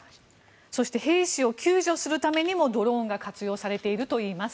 そして兵士を救助するためにもドローンが活用されているといいます。